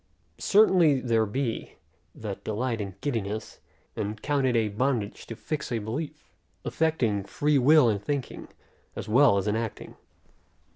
Certainly there be, that delight in giddiness, and count it a bondage to fix a belief; affecting free will in thinking, as well as in acting.